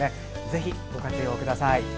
ぜひご活用ください。